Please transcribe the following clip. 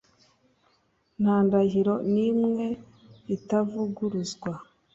Nta ndahiro nimwe itavuguruzwa